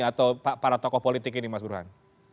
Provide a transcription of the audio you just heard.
atau para tokoh politik ini mas burhan